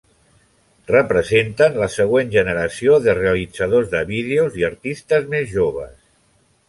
Representen la següent generació de realitzadors de vídeos i artistes més joves.